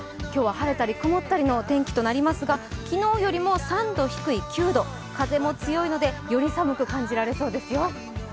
今日は晴れたり曇ったりの天気となりますが、昨日よりも３度低い９度、風も強いので、より寒く感じられそうですよ。